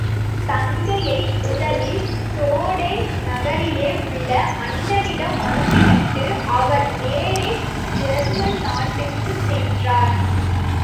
தங்கையை முதலில் சோடேன் நகரிலே உள்ள அண்ணனிடம் அனுப்பிவிட்டு, அவர் நேரே ஜெர்மன் நாட்டுக்குச் சென்றார்.